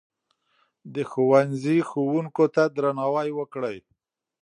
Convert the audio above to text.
د ښوونځي ښوونکو ته درناوی وکړئ.